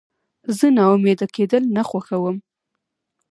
زه ناامیده کېدل نه خوښوم.